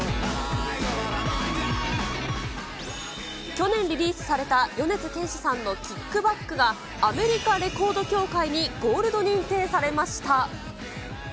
去年リリースされた米津玄師さんのＫＩＣＫＢＡＣＫが、アメリカレコード協会にゴールド認定されました。